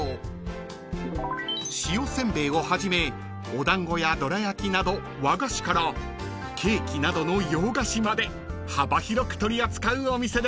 ［塩せんべいをはじめお団子やどら焼きなど和菓子からケーキなどの洋菓子まで幅広く取り扱うお店です］